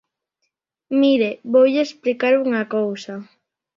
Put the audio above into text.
Mire, voulle explicar unha cousa.